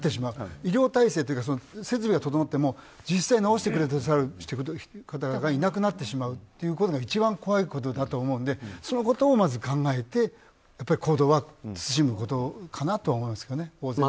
医療体制というか設備は整っても実際、治してくださる方々がいなくなってしまうというのが一番怖いことだと思うのでそのことをまず考えて真麻ちゃん、いかがですか？